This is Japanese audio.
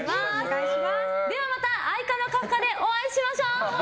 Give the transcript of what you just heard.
ではまた、愛花のカフカでお会いしましょう！